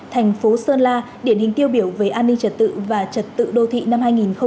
thành phố sơn la điển hình tiêu biểu về an ninh trật tự và trật tự đô thị năm hai nghìn hai mươi ba